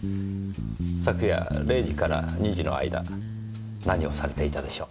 昨夜０時から２時の間何をされていたでしょう？